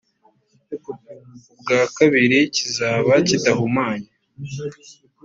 ubwa kabiri kizaba kidahumanye